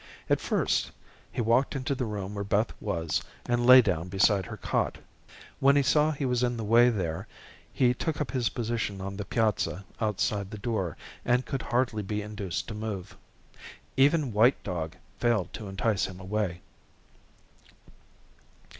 At first, he walked into the room where Beth was and lay down beside her cot. When he saw he was in the way there, he took up his position on the piazza outside the door, and could hardly be induced to move. Even white dog failed to entice him away.